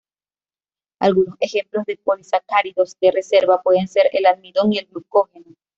Algunos ejemplos de polisacáridos de reserva pueden ser: el almidón y el glucógeno.